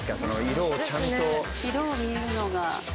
色を見るのが。